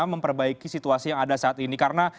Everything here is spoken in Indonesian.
memperbaiki situasi yang ada saat ini karena